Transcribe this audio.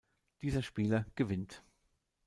Dieser Spieler gewinnt.